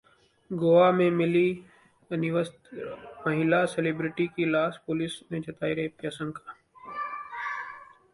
गोवा में मिली निर्वस्त्र महिला सेलिब्रिटी की लाश, पुलिस ने जताई रेप की आशंका